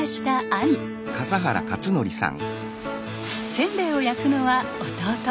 せんべいを焼くのは弟。